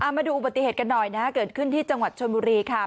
มาดูอุบัติเหตุกันหน่อยนะฮะเกิดขึ้นที่จังหวัดชนบุรีค่ะ